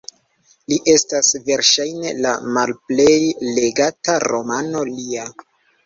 Ĝi estas verŝajne la malplej legata romano lia.